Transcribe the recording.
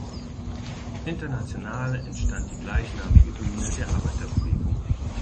Internationale entstand die gleichnamige Hymne der Arbeiterbewegung.